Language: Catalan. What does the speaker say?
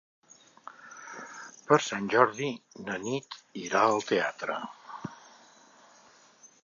Per Sant Jordi na Nit irà al teatre.